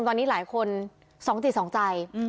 ตอนนี้หลายคนสองจิตสองใจ